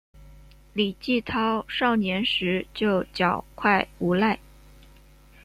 李继韬少年时就狡狯无赖。